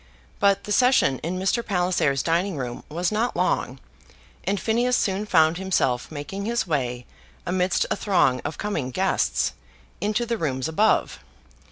But the session in Mr. Palliser's dining room was not long, and Phineas soon found himself making his way amidst a throng of coming guests into the rooms above.